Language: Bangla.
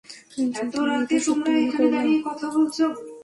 কিন্তু আমি এটা সত্য মনে করি না।